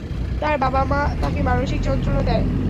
তার মা-বাবা তাকে মানসিক যন্ত্রণা দেয়।